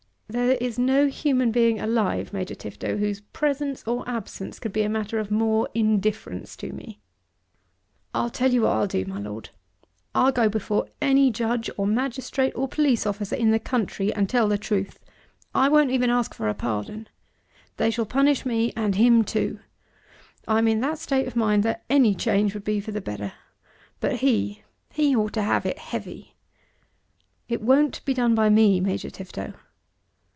"There is no human being alive, Major Tifto, whose presence or absence could be a matter of more indifference to me." "I'll tell you what I'll do, my Lord. I'll go before any judge, or magistrate, or police officer in the country, and tell the truth. I won't ask even for a pardon. They shall punish me and him too. I'm in that state of mind that any change would be for the better. But he, he ought to have it heavy." "It won't be done by me, Major Tifto.